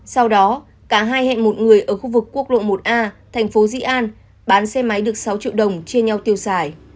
sau đó cả hai hẹn một người ở khu vực quốc lộ một a thành phố di an bán xe máy được sáu triệu đồng chia nhau tiêu xài